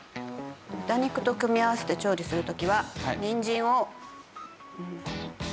豚肉と組み合わせて調理する時はにんじんを。